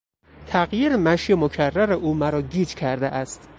تغییر مشی مکرر او مرا گیج کرده است.